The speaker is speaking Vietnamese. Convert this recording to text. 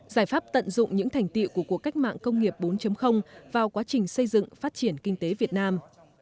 giải pháp tận dụng những thành tiệu của cuộc cách mạng công nghiệp bốn vào quá trình xây dựng phát triển kinh tế việt nam